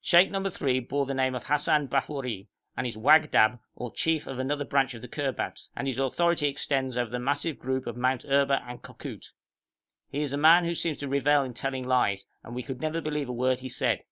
Sheikh number three bore the name of Hassan Bafori, and is wagdab or chief of another branch of the Kurbabs, and his authority extends over the massive group of Mount Erba and Kokout. He is a man who seems to revel in telling lies, and we never could believe a word he said.